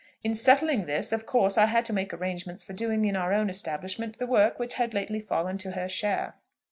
In settling this, of course I had to make arrangements for doing in our own establishment the work which had lately fallen to her share.